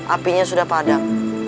apinya sudah padam